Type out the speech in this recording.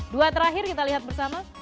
dua terakhir kita lihat bersama